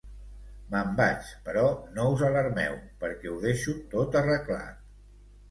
Me'n vaig, però no us alarmeu, perquè ho deixo tot arreglat